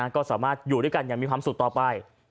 ก็สามารถอยู่ด้วยกันอย่างมีความสุขต่อไป